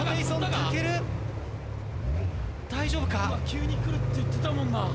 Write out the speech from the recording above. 急にくるって言ってたもんな。